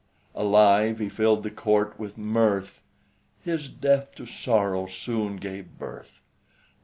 Alive he filled the Court with mirth; His death to sorrow soon gave birth.